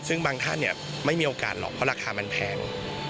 ซึ่งบางท่านไม่มีโอกาสหรอกเพราะราคามันแพง